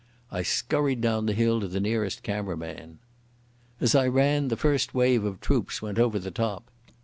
I scurried down the hill to the nearest camera man. As I ran, the first wave of troops went over the top.